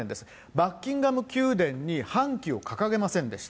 バッキンガム宮殿に半旗を掲げませんでした。